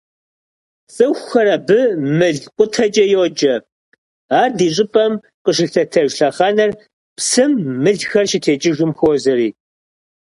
ЦӀыхухэр абы «мылкъутэкӀэ» йоджэ, ар ди щӀыпӀэм къыщылъэтэж лъэхъэнэр псым мылхэр щытекӀыжым хуозэри.